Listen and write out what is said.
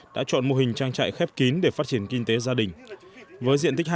đã chọn mô hình trang trại khép kín để phát triển kinh tế gia đình